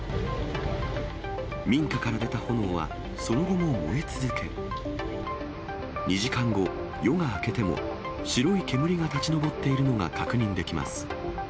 民家から出た炎は、その後も燃え続け、２時間後、夜が明けても白い煙が立ち上っているのが確認できます。